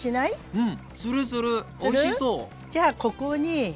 うん。